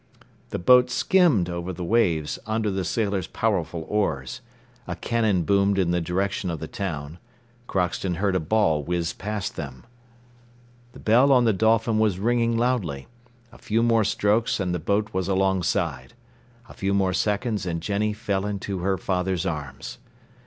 The boat skimmed over the waves under the sailors' powerful oars. A cannon boomed in the direction of the town. Crockston heard a ball whiz past them. The bell on the Dolphin was ringing loudly. A few more strokes and the boat was alongside. A few more seconds and Jenny fell into her father's arms.